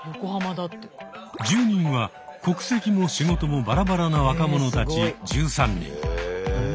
住人は国籍も仕事もバラバラな若者たち１３人。